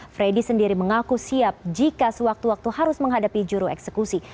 freddy sendiri mengaku siap jika sewaktu waktu harus menghadapi juru eksekusi